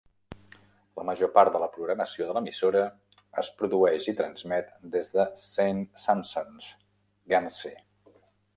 La major part de la programació de l"emissora es produeix i transmet des de Saint Sampson's, Guernsey.